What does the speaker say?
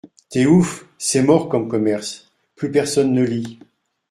T’es ouf, c’est mort comme commerce, plus personne ne lit